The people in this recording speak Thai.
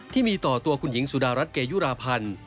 ที่มีต่อตัวคุณหญิงสุดารัฐเกยุราพันธ์